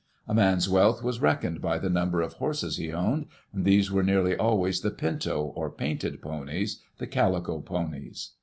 A man's wealth was reckoned by the number of horses he owned, and these were nearly always the "pinto," or painted ponies — the calico ponies.